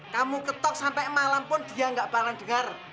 kamu ketok sampai malam pun dia enggak parah dengar